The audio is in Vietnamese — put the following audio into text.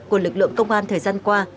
của lực lượng công an thời gian qua